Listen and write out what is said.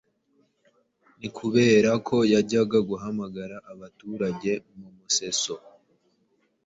ni ukubera ko yajyaga guhamagara abaturage mu museso